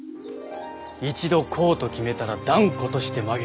一度こうと決めたら断固として曲げぬ。